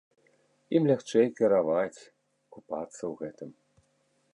Ім лягчэй кіраваць, купацца ў гэтым.